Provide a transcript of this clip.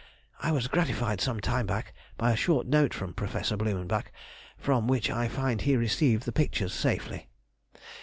I was gratified some time back by a short note from Professor Blumenbach, from which I find he received the pictures safely.